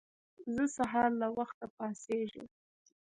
زه سهار له وخته پاڅيږم.